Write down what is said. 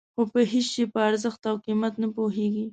خو په هېڅ شي په ارزښت او قیمت نه پوهېږي.